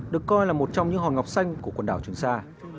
được coi là một trong những hòn ngọc xanh của quần đảo trường sa